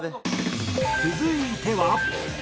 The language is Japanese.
続いては。